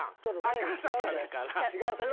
赤坂やから。